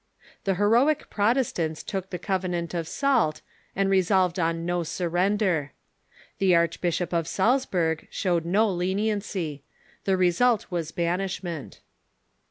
The heroic Protestants took the covenant of salt, and resolved on no surrender. The Archbishop of Salzburg showed no leniency. The result was banishment.